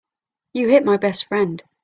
You hit my best friend.